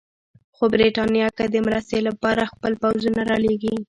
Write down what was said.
خو برټانیه که د مرستې لپاره خپل پوځونه رالېږي.